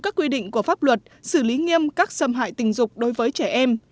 các quy định của pháp luật xử lý nghiêm các xâm hại tình dục đối với trẻ em